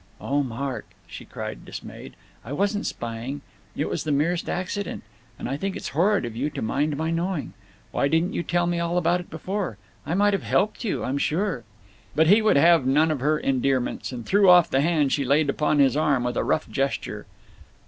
"Oh, Mark," she cried, dismayed, "I wasn't spying. It was the merest accident. And I think it's horrid of you to mind my knowing. Why didn't you tell me all about it before. I might have helped you, I'm sure." But he would have none of her endearments, and threw off the hand she laid upon his arm with a rough gesture.